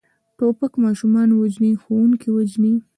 توپک ماشومان وژني، ښوونکي وژني.